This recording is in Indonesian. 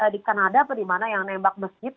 di kanada apa di mana yang nembak mesjid